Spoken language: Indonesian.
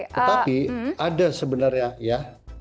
tetapi ada sebenarnya